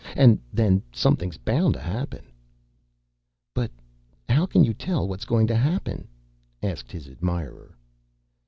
And then somethin's bound to happen." "But how can you tell what's goin' to happen?" asked his admirer.